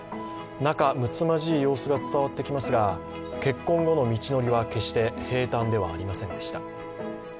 仲むつまじい様子が伝わってきますが結婚後の道のりは決して平たんではありませんでした。